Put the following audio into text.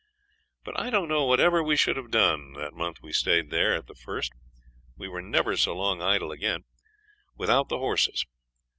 But I don't know whatever we should have done, that month we stayed there, at the first we were never so long idle again without the horses.